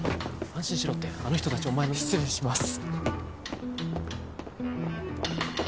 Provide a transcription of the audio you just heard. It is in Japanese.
安心しろってあの人達お前の失礼します